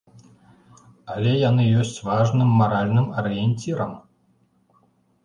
Але яны ёсць важным маральным арыенцірам.